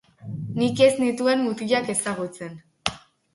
Nik ez nituen mutilak ezagutzen.